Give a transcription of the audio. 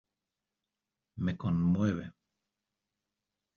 me conmueve.